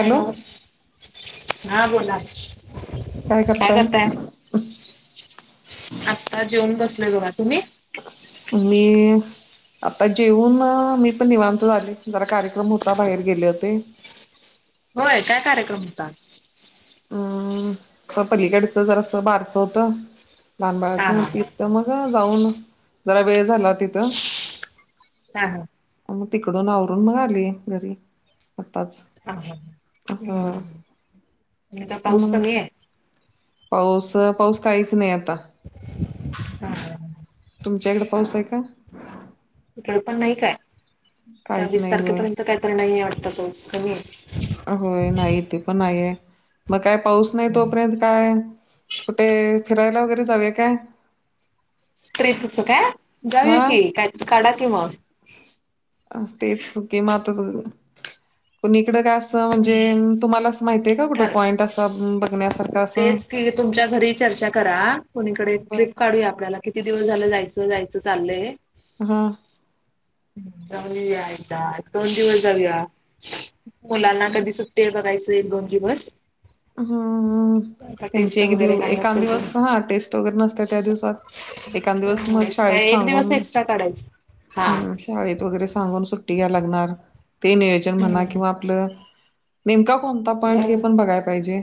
Hello हा बोला काय करताय? आत्ता जेऊन बसलोय बघा तुम्ही? मी आता जेऊन मग मी पण निवांत झाले जरा कार्यक्रम होता बाहेर गेले होते. होय काय कार्यक्रम हूता? हम्म पलीकडच जरास बारस होतं लहानबाळच हा म हा ति तर मग जाऊन जरा वेळ झाला तिथं. हा हा मग तिकडून आवरून मग आले घरी आताच, ह यंदा पाऊस मग कमी आहे. पाऊस पाऊस काहीच नाही आता. हा हा तुमच्याइकडं पाऊस आहे काय? इकड पण नाही काय त्या काहीच वीस नाही होय तारखेपर्यंत कायतरी नाही आहे वाटत पाऊस कमी आहे. होय नाही इथे पण नाहीये मग काय पाऊस नाही तोपर्यंत काय कुठे फिरायला वगैरे जावूया काय? टिपच काय हा जाऊया की काहीतरी काढा कि मग, अ तेच किंवा आता कुणीकडं का अस म्हणजे तुम्हाला असं माहितय का? कुठं ठर पॉईंट असा बघण्यासारखं असं. तेच तुमच्या घरी चर्चा करा कुणीकडे बर ट्रिप काढूया आपल्याला किती दिवस झालं जायचं जायचं चाललंय हा. जाऊया एकदा दोन दिवस जाऊया. मुलांना कधी सुट्टी आहे बघायचं एक दोन दिवस. हा ह हा. आता त्यांची टेस्ट एक वगैरे दिव काय एकांद नसेल ते दिवस हा टेस्ट वगैरे नसते त्या दिवसात एकांद दिवस मग एक्स्ट्रा शाळेत एक सांगून. दिवस एक्स्ट्रा काढायच हा. हम्म शाळेत वगैरे सांगून सुट्टी घ्यावी लागणार ते नियोजन म्हणा किंवा हम्म आपलं. नेमका कोणता पॉइंट हे पण बघायला पाहिजे.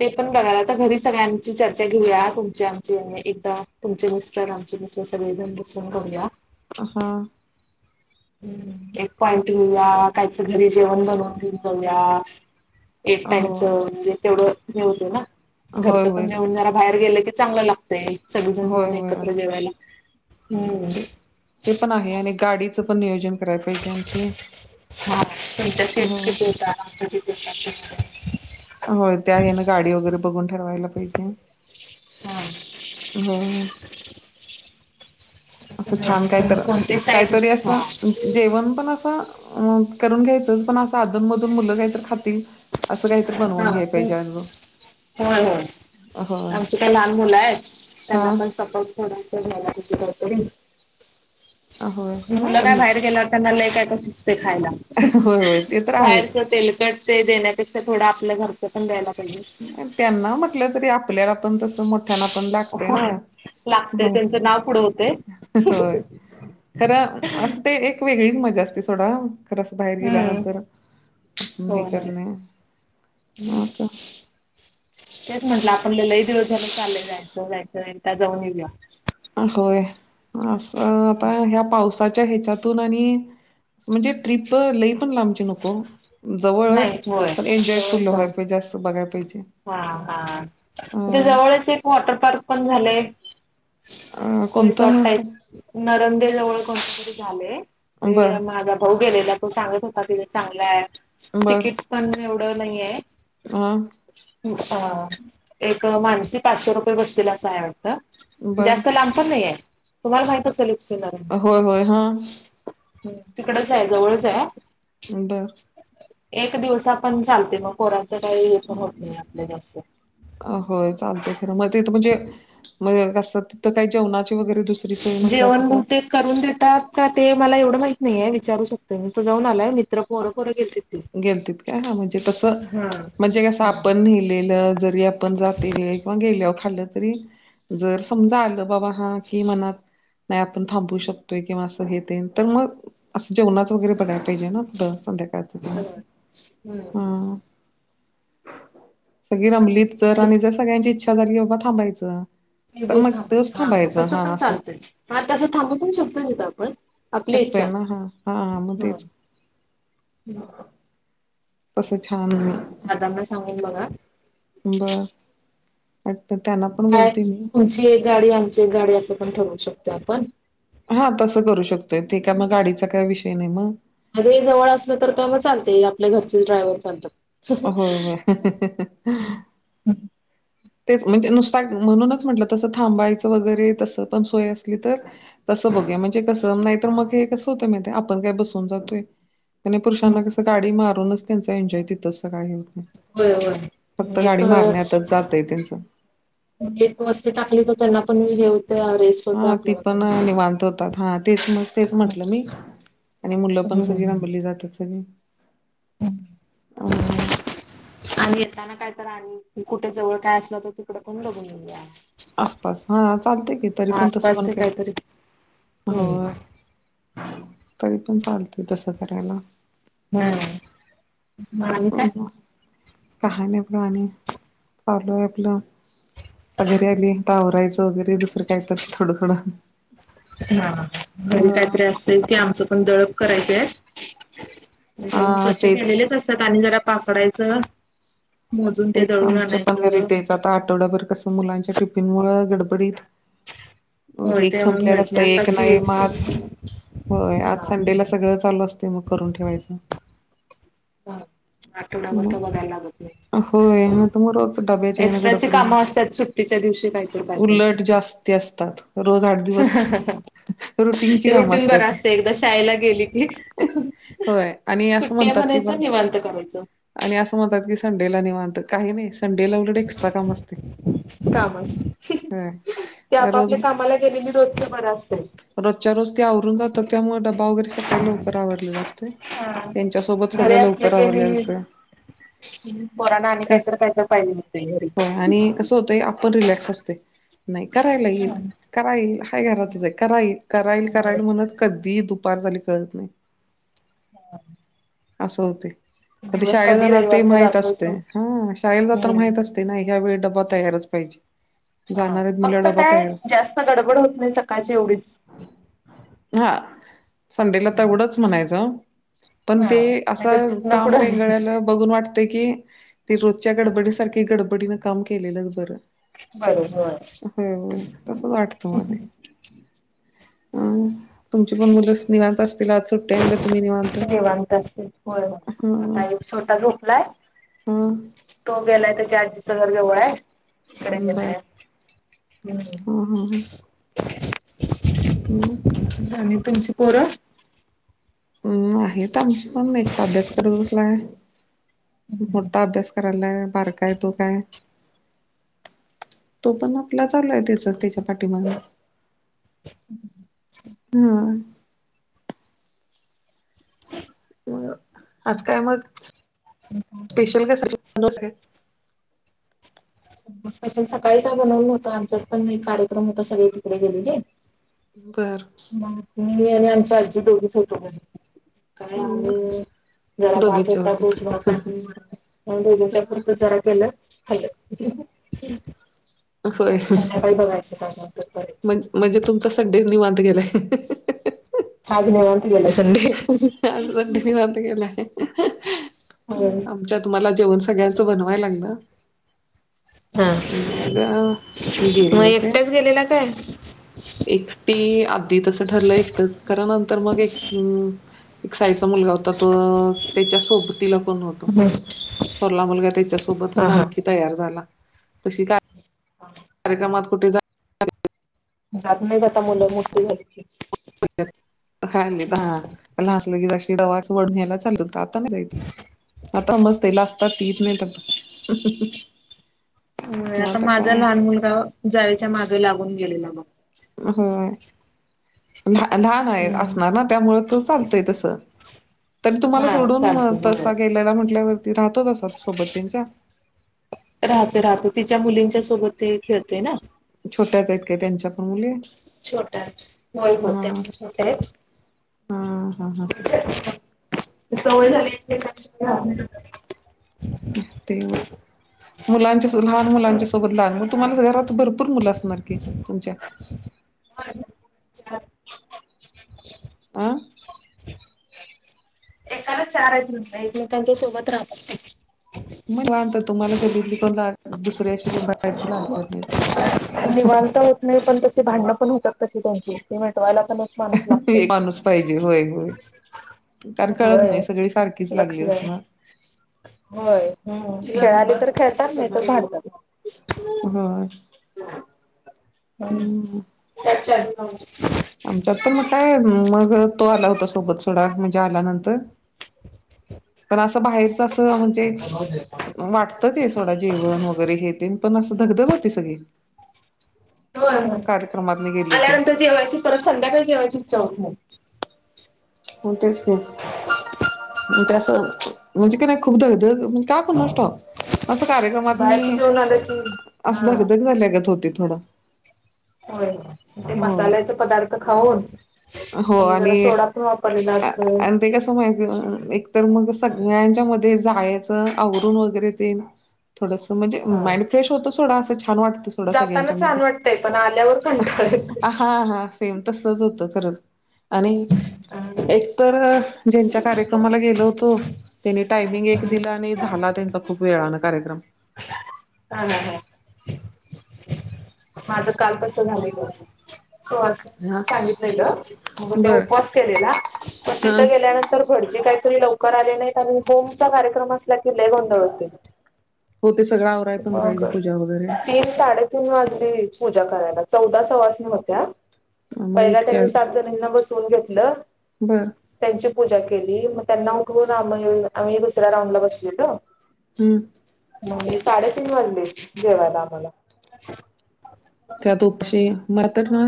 ते पण बघायला आता घरी सगळ्यां आमची चर्चा घेऊया तुमच्या आमचे एकदा. तुमचे मिस्टर आमचे मिस्टर सगळेजण बसून बोलूया. हा. हम् एक पॉईंट घेऊया काही तरी घरी जेवण बनवून घेऊन जाऊया. एक हो टाइमच म्हणजे तेवढं हे होतय ना, होय घरचं पण होय जेवण जरा बाहेर गेलं की, चांगलं लागत ते सगळीजण होय मिळून होय एकत्र जेवायला. हम्म. ते ते पण आहे आणि गाडीचं पण नियोजन. करायला पाहिजे आणखी हा तुमच्या हो सीट्स किती होतात आमच्या सीट्स किती होतात? होय त्या ह्यानं गाडी वगैरे बघून ठरवायला पाहिजे. हा. असं छान होतात तुम्ही काहीतर, कोणते साईड काहीतरी असं जेवण पण असं अ करून घ्यायचंच पण असं अधून मधून मुलं काहीत खातील असं काही बनवून घ्याय पाहिजे अजून. हो हो होय आमची काही लहान मुलं आहेत हा त्यांना पण सपोर्ट. थोडसं घ्यायला पाहिजे काहीतरी. अ हो. मुलं काय बाहेर गेल्यावर त्यांना लय कायतर सुचतंय खायला होय होय ते तर आहेच बाहेरच तेलकट. ते देण्यापेक्षा थोडं आपल्या घरचं पण द्याय लागत. त्यांना म्हटलं तरी आपल्याला पण तसं मोठ मोठ्याना पण लागतंय ना पाहिजे लागते हो, त्यांचं नाव पुढे होते होय. खरं असं ते एक वेगळीच मजा असते सोडा. खर असं बाहेर हम्म गेल्यानंतर हो हे हो करणे का. तेच म्हटलं आपण लई दिवस झाल चाललंय जायचं जायचं एकदा जाऊन येऊया. होय. असं आता ह्या पाऊस त्याच्या ह्याच्यातून आणि म्हणजे ट्रिप लई पण लांबची नको. नाही जवळच होय पण एन्जॉयफुल जवळच व्हाय जाऊन पाहिजे जास्त बघाय पाहिजे. हा हा अ इथे जवळच एक वॉटर पार्क पण झालंय. अ कोणतं रिसॉर्ट म्हणताय टाईप नरंदे जवळ कोणतं तरी झालंय. बर ते माझा भाऊ गेलेला तो सांगत होता तिथे चांगलं आहे. तिकीट. पण एवढं नाहीेय. आ. एक मानसी पाचशे रुपये बसतील असं आहे वाटतं. बर जास्त लांब पण नाही आहे तुम्हाला माहित आसल. ह होय होय हा तिकडच आहे जवळच आहे. बरं. एक दिवस आपण चालते मग पोरांच काही पण होत नाही आपल्या जास्त. हो चालते खरं मग तिथं म्हणजे कस तिथं काही जेवणा वगैरे दुसरी सोय म्हटलं अस जेवण तर. बहुतेक करून देतात का ते मला एवढं माहित नाहीे विचारू शकतोय मी तो जाऊन आलाय मी. गे का म्हणजे तस हा म्हणजे कस आपण नेलेलं जरी. आपण जाते वेळ किंवा गेल्यावर खाल्ल तरी जर समजा आलं बाबा हा कि मनात. नाही आपण थांबू शकतोय किंवा असं हे देईन तर मग असं जेवणाच वगैरे बघायला पाहिजे ना. दर संध्याकाळ च बरोबर हम्म हम. सगळी रमलीत तर तेच आणि जर सगळ्यांची इच्छा झाली बाबा थांबायचं. एक तर दिवस मग तोच थांबायचं हा मग थांबायचा तसं हा पण असं चालत ह तसं थांबू पण शकतो नाही तर आपण. आपली शकतोय ना हा हाा मग तेच. हम्. तसं छान आहे. दादांना सांगून बघा. बर. त्यांना पण. काय बोलते मी तुमची एक गाडी आमची एक गाडी असं पण ठरवू शकते आपण. हा तसं करू शकतोय ती काय मग गाडीचा काय विषय नाही मग. म जवळ असलं तर काय मग चालते आपल्या घरचे डायव्हर चालतात. होय होय ह. तेच म्हणजे नुसता म्हणूनच म्हटलं तसं थांबायचं वगैरे तसं पण सोय असली तर. तसं बघू म्हणजे कसं नाही तर मग हे कसं होतं माह आपण काय बसून जातोय. त्या पुरुषांना कसं गाडी मारूनच त्यांचा एन्जॉय तिथंच सकाळी होत नाही. होय फक्त होय गाडी एक मारण्यातच जात आहे त्यांचं. एक वस्ती टाकली तर त्यांना पण मी घेवते अरेस्. हा ती पण निवांत होतात. हा तेच मग तेच म्हटलं हम्म मी आणि मुलं पण हम्म सगळी रमली जातात सगळी. ह. आणिम् येताना काय तर आ कुठे जवळ काय असल तर त इथ पण बघून येऊया आसपास हा चालते की तरी पण तसं पण आसपासचे काहीतरी. केलं हो हम्. तरी पण चालते तसं करायला. हम. हा. हो कहा नाही आप आणि चालू आहे आपलं. आ घरी आली आ आवरायचं वगैरे दुसरं काय तर थोडं थोडं. हा घरी अ काहीतरी असते की आमचं पण दळप करायच आहे. हा स्वच्छ तेच केलेलेच असतात आणि जरा पाकडायचं. तेच आमच्या पण घरी तेच आता आठवडाभर कसं मुलांच्या टिफिन मुल गडबडीत होय एक ते संपलेला मिळत असत एक आताच की नाही माझ. होय आज संडेला सगळं चालू असते मग करून ठेवायचं. हं आठवडा भर मग तर बघायला लागत नाही. होय ना तु मग रोज डब्याच्या आहे ना एक्स्ट्राची गडबडी कामं असतात सुट्टीच्या दिवशी काहीतरी काहीतरी उलट जास्त ते असतात रोज आठ दिवस रुटीनची ते कामं रुटीन बरं असतात असत एकदा शाळेला गेली की होय आणि असं सुट्टी आहे म्हणतात की बा म्हणायचं निवांत करायचं आणि असं म्हणतात की संडेला निवांत काही नाही संडेला उलट एक्स्ट्रा काम असते काम असत ते होय रोज आपापल्या कामाला गेलेली रोजचा बर असते. रोजच्या रोज ते आवरुन जातात त्यामुळे डबा वगैरे स काही लवकर आवरलेलं असतय हा. त्यांच्या सोबत घरी सगळं असले लवकर की आवरलेलं असते आणि पोरांना आणि काय काहीतरी काहीतर पाहिजे असतय घरी हो आणि कसं होतंय आपण रिलॅक्स असतोय नाही करायला येईल कराईल हाय घरातच आहे, कराईल कराईल म्हणत कधी दुपार झाली कळत नाही असं होतय. कधी दिवस शाळेला जाणार ते रविवारचा माहित जातोच असतेय समजत हो शाळेला जाताना हम्म माहित असते ना ह्या वेळी डब्बा तयारच पाहिजे. हा जाणार आहेत म्हटल्यावर फक्त डबा काय तयार जास्त गडबड होत नाही सकाळची एवढीच. हा. संडेला तेवढंच म्हणायचं पण ते हा नाहीतर असं तिथनं काम पुढं नाही आपल बघून वाटतय की ती रोजच्या गडबडी सारखी गडबडीन काम केलेलंच बरं बरोबर हो तस वाटत मले अह तुमची पण मुल निवांत असतील आज सुट्टी आहे म्हणून निवांत असतील होय आता हा एक छोटा झोपलाय, हा तो गेलाय त्याच्या आजीच घर जवळ आहे कडे गेलाय, बर हम्म. हा हम्म. आणि तुमची पोर हम्म आहेत आमची पण एक तर अभ्यास करत बसलाय, मोठा अभ्यास कर [unintelligible] बारका आहे तो काय तो पण आपला चालू आहे त्याच्या पाठीमागे हा. हो ना, आज काय मग स्पेशल काय बनवलस का स्पेशल सकाळी काय बनवलं नव्हतं आमच्यात पण हे कार्यक्रम होता सगळे तिकडे गेलेले बरं. मी आणि आमची आजी दोघच होतो घरी कारण मग आम्ही जरा भात दोघींच्या होता आवडतात. तोज भात टाकून [unintelligible] पुरतं जरा केलं, खाल्लं संध्याकाळी बघायचं काय क म्ह म्हणजे तुमचा संडे निवांत गेलाय आज निवांत गेला संडे आज संडे निवांत गेलाय. आमच्यात तुम्हाला जेवण सगळ्यांचं बनवाय लागलं हा [unintelligible] ला मी मग गेले होते एकट्याच गेलेला काय एकटी आधी तसं ठरलं एकटं करा नंतर मग एक हम्म एक साईडचा मुलगा हो होता तो त्याच्या सोबतीला कोण होत मग हा थोरला मुलगा त्याच्या सोबत मग हा आणखी तयार झाला तस काय [unintelligible] कार्यक्रमात कुठ जा जात नाही जाता मुलं मोठी झालीत की. ली ह ल दहा असलं कीशी दवाच वडून्यायला चालत आता नाही जाईत आता मस्त लाजतात ती येत नाहीत आता. मग आता माझा काय लहान मुलगा जावयच्या मागे लागून गेलेला बघ. हम्म लहान हम्म असणार ना त्यामुळे तू चालतय तस त तुम्हाला हा सोडून चालते तसा बरोबर गेलेला म्हटल्यावर राहतो तसाच सोबत त्यांच्या राहत राहत तिच्या मुलींच्या सोबत ते खेळतेय ना छोट्याच आहेत काय त्यांच्या पण मुली छोट्या आहेत होय-होय त्या हा पण छोट्या आहेत. हा-हा ह. सवय झाली [unintelligible] तेव. मुलांच्या लहान मुलांच्या सोबत लहान मग तुम्हाला घरात भरपूर मुलं असणार की तुमच्या. आं? चारच म्हणत एकमेकांच्या सोबत राहतात ते. मग लाहान तं [unintelligible] तुम्हाला गल्लीतली कोण लाग दुसऱ्या अशी कोण बाहेरची लागणार नाहीत निवांत होत नाही पण तशी भांडणं पण होतात तशी त्यांची ती मिटवायला पण माणूस लागतय. ते माणूस पाहिजे होय-होय. कारण कळत नाही होय सगळी सारखीच लागली लक्ष द्यायला. असनार. होय हम्मं कळाल तर खेळतात नाही तर भांडतात हाना. [inaudible] आमच्यात पण मग काय मग तो आला होता सोबत सोडा म्हणजे आल्यानंतर. पण असं बाहेरच अस म्हणजे वाट त ते सोडा जेवण वगैरे हे पण असं धगधग होती सगळी. होय-होय कार्यक्रमात गेले की आल्यानंतर जेवायची परत संध्याकाळी जेवायची इच्छा होत नाहीत. होय तेच की म्हणजे ते असं म्हणजे का नाही खूप धगधग का कुणास ठाव असं कार्यक्रमात बाहेरच मी जेवण आलं की असं हा. धगधग झाल्यागत होतय थोडं. होय ते हो. मसाल्याच पदार्थ खाऊन हो आणि जरा सोडा पण वापरलेला असतोय. आणि ते कस माहिती एकतर मग सगळ्यांच्या मध्ये जायच आवरून वगैरे ते थोडस म्हणजे हा माइंड फ्रेश होत सोडा असं छान वाटत थोडा जाताना सगळ्यांच्या छान मध्ये वाटतंय पण आल्यावर कंटाळा येतोय. हा-हा सेम तसच होत खरंच. आणि हा एकतर ज्यांच्या कार्यक्रमाला गेलो होतो. त्यांनी टायमिंग एक दिला आणि झाला त्यांचा खूप वेळान कार्यक्रम. [unintelligible] माझं काल तस झालय बगा असं सो अस हा सांगितलेलं मग ते बरं उपवास केलेला पण हा तिथं गेल्यानंतर तर भटजी काहीतरी लवकर आले नाहीत आणि होम चा कार्यक्रम असला कि लय गोंधळ होतय. हो ते सगळं आवराय पण पाहिजे पूजा वगैरे सा [unintelligible] तीन वाजले पूजा करायला चौदा सवासणी होत्या मग पहिल्या इतक्या त्यांनी सात जण. त्यांना बसवून घेतलं. बरं, त्यांची पूजा केली मग त्यांना उठवून आमही ये आम्ही दुसऱ्या राऊंड ला बसविलो. हम्म, नाही साडेतीन वाजली हो जेवायला आम्हाला. त्यात उपशी मर तर ना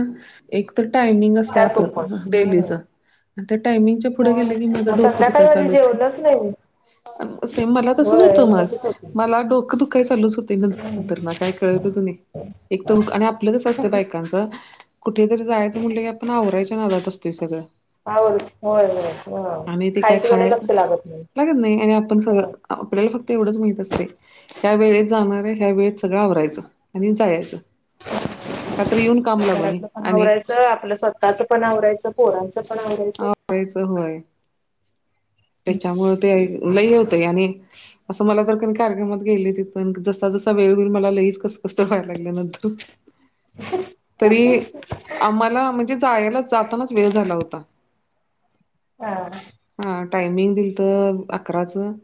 एक तर टायमिंग असते त्यात आप उपवास डेलीच. हम्म त्या टायमिंगच्या पुढे गेले की मग माझं डोकंधुका संध्याकाळी माझी चालू होतं. जेवलंच नाही मी सेम मला तसंच होतं होय मग तसच होते मला डोकं दुखाय चालूच होते नंतर ना काय कळत नाही. हो, एक तर आणि आपलंच असतं बायकांचं कुठेतरी जायचं म्हटलं की, आपण आवरायच्या ना जात असतो सगळं. हा, बोल की, आणि ते काय खायचं लागत नाही लागत नाही आणि आपण सगळं. हो आपल्याला फक्त एवढंच माहीत असतय. ह्या वेळेत जाणार आहे ह्या वेळेत सगळं आवरायचं आणि जायचं. का तर येऊन काम लागू नये घरातलं पण आणि आवराायचं आपलं स्वतःच पण आवरायचं पोरांच पण आवरायचं. आवयचं होय, त्याच्यामुळे ते लय होतय आणि'' असं मला तर कध कार्यक्रमात गेले तिथून जस्सा जसा वेळवेळी मला लईच कस कसं व्हाय लागलं नंतर. [inaudible] तरी आम्हाला म्हणजे जायला जातानाच वेळ झाला होता. हा, हा, टायमिंग दिल तर अकराचं.